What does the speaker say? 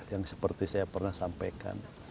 yang seperti saya pernah sampaikan